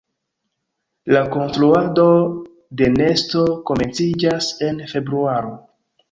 La konstruado de nesto komenciĝas en februaro.